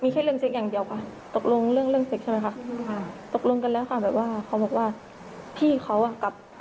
เขาบอกว่าพี่เขากับ